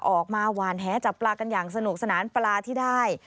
ออกมาหวานแหจับปลากันอย่างสนุกสนานปลาที่ได้